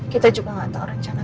kita juga gak tau rencana